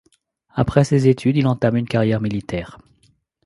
Après ses études, il entame une carrière militaire.